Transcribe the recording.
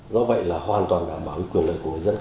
do vậy là hoàn toàn đảm bảo quyền lợi của người dân